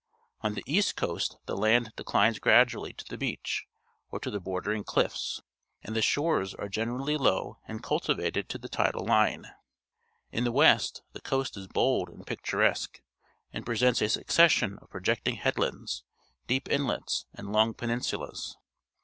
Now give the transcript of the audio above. On the east coast the land declines gradually to the beach or to the bordering cliffs, and the shores are generally low and cultivated to the tidal line. In the west the coast is bold and picturesque, and presents a succession of projecting headlands, deep inlets, and long peninsulas.